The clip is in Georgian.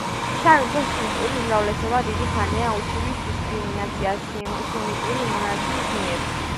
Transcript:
სამეფოს შიიტური უმრავლესობა დიდი ხანია უჩივის დისკრიმინაციას სუნიტური მონარქიის მიერ.